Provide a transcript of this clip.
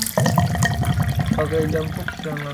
Bagai jampuk kesiangan